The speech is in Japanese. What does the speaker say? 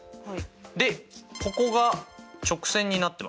でここが直線になってますね。